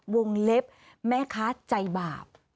วงเล็บแม่ค้าใจบาป